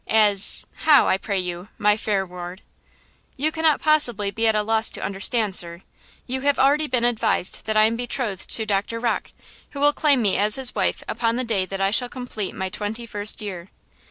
"As–how, I pray you, my fair ward?" "You cannot possibly be at a loss to understand, sir. You have been already advised that I am betrothed to Doctor Rocke, who will claim me as his wife upon the day that I shall complete my twenty first year."